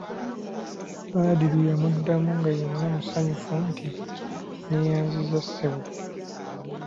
Badru yamuddamu nga yenna musanyufu nti:"neeyanziza ssebo"